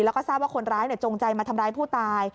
แล้วก็ทราบว่าคนร้ายจงใจมาทำร้ายผู้ตาย